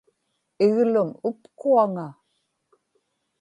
iglum upkuaŋa